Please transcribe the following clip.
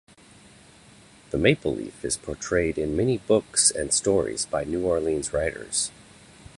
The Maple Leaf is portrayed in many books and stories by New Orleans writers.